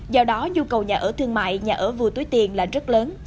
do đó nhu cầu nhà ở thương mại nhà ở vừa túi tiền là rất lớn